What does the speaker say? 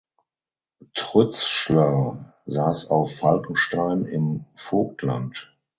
Trützschler saß auf Falkenstein im Vogtland.